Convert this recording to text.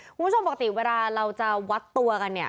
คุณผู้ชมปกติเวลาเราจะวัดตัวกันเนี่ย